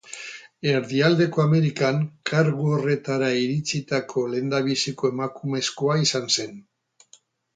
Erdialdeko Amerikan kargu horretara iritsitako lehenbiziko emakumezkoa izan zen.